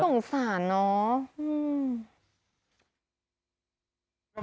ต่งสารเนอะ